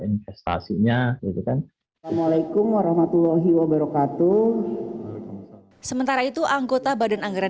investasinya gitu kan assalamualaikum warahmatullahi wabarakatuh sementara itu anggota badan anggaran